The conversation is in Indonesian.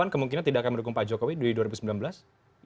kemungkinan tidak akan mendukung pak jokowi di dua ribu sembilan belas